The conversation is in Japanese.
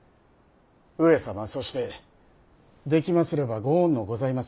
上様そしてできますれば御恩のございます